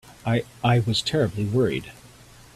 I—I was terribly worried.